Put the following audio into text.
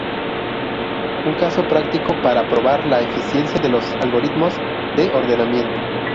Un caso práctico, para probar la eficiencia de los algoritmos de ordenamiento.